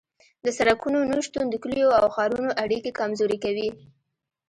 د سرکونو نشتون د کلیو او ښارونو اړیکې کمزورې کوي